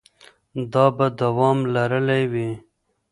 دا به دوام لرلی وي.